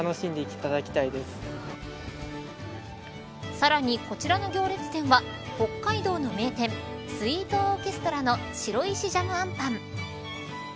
さらに、こちらの行列店は北海道の名店スイートオーケストラの白石ジャムあんぱん。